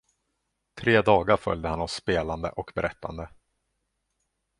Tre dagar följde han oss spelande och berättande.